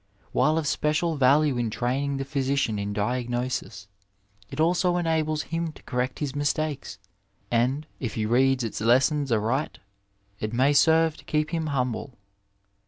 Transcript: While of special value in training the physician in diagnosis, it also enables him to correct his mistakes, and, if he reads its lessons aright, it may serve to keep him humble.